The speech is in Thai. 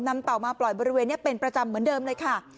เต่ามาปล่อยบริเวณนี้เป็นประจำเหมือนเดิมเลยค่ะ